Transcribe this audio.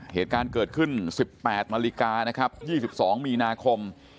เหตุการณ์เกิดขึ้น๑๘นาฬิกานะครับ๒๒มีนาคม